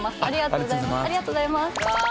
ありがとうございます。